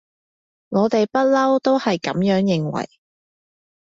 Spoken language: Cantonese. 我哋不溜都係噉樣認為